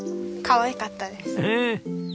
かわいかったです。